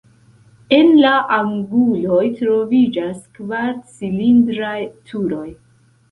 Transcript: En la anguloj troviĝas kvar cilindraj turoj.